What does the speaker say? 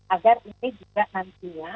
agar ini juga nantinya